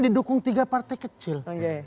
didukung tiga partai kecil